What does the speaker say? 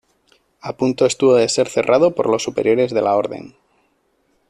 A punto estuvo de ser cerrado por los superiores de la Orden.